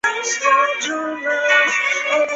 顾颉刚认为的少昊氏加入古史系统自刘歆始。